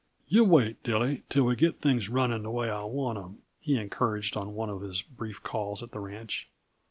"Yuh wait, Dilly, till we get things running the way I want 'em," he encouraged on one of his brief calls at the ranch.